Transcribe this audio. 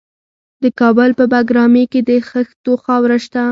د کابل په بګرامي کې د خښتو خاوره شته.